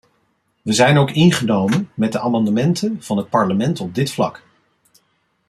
We zijn ook ingenomen met de amendementen van het parlement op dit vlak.